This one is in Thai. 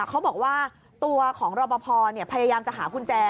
เขาบอกว่าตัวของรอปภพยายามจะหากุญแจ